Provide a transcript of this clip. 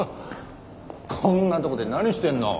こんなとこで何してんの？